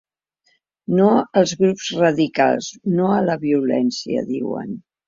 “No als grups radicals, no a la violència”, diuen.